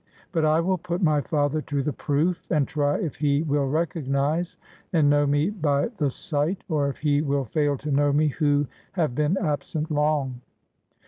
But I will put my father to the proof, and try if he will recognize and know me by the sight, or if he will fail to know me who have been absent long."